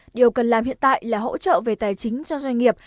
điều cần làm hiện tại là hỗ trợ về tài chính cho doanh nghiệp